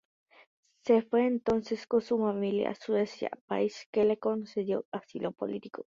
Se fue entonces con su familia a Suecia, país que les concedió asilo político.